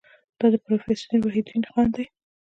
دا د پروفیسور وحیدالدین خان دی.